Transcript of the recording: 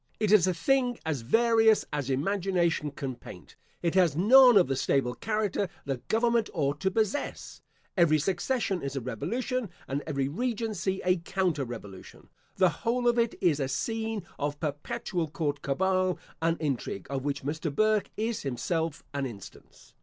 It is a thing as various as imagination can paint. It has none of the stable character that government ought to possess. Every succession is a revolution, and every regency a counter revolution. The whole of it is a scene of perpetual court cabal and intrigue, of which Mr. Burke is himself an instance.